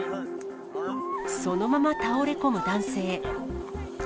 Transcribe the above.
そのまま倒れ込む男性。